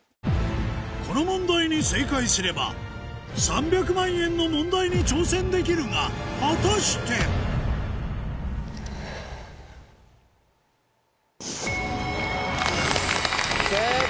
この問題に正解すれば３００万円の問題に挑戦できるが果たして⁉正解！